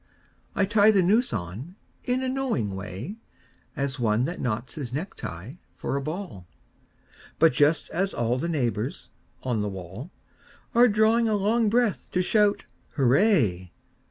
I tie the noose on in a knowing way As one that knots his necktie for a ball; But just as all the neighbours on the wall Are drawing a long breath to shout 'Hurray!'